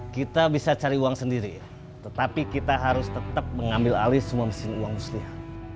kita bisa cari uang sendiri tetapi kita harus tetap mengambil alih semua mesin uang muslihat